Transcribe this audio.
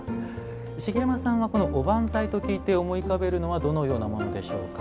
茂山さんは、おばんざいと聞いて思い浮かべるのはどのようなものでしょうか？